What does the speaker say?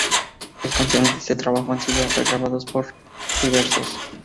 Dos canciones de este trabajo han sido regrabadas por Riveros.